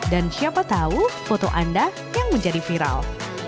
dan siapa tahu foto anda yang menjadi viral